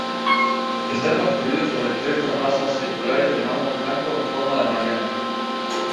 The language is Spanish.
Está construido sobre tres terrazas circulares de mármol blanco en forma de Mariana.